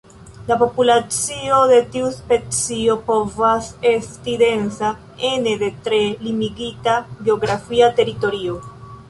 La populacio de tiu specio povas esti densa ene de tre limigita geografia teritorio.